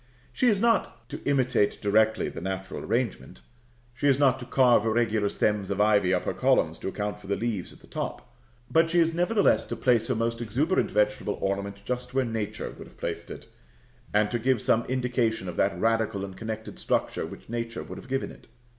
She is not to imitate directly the natural arrangement; she is not to carve irregular stems of ivy up her columns to account for the leaves at the top, but she is nevertheless to place her most exuberant vegetable ornament just where Nature would have placed it, and to give some indication of that radical and connected structure which Nature would have given it.